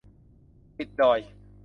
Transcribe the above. ติดดอย